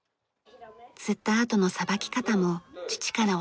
釣ったあとのさばき方も父から教わりました。